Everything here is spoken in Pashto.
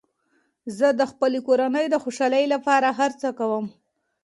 زه د خپلې کورنۍ د خوشحالۍ لپاره هر څه کوم.